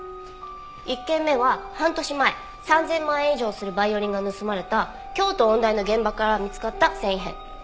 １件目は半年前３０００万円以上するバイオリンが盗まれた京都音大の現場から見つかった繊維片。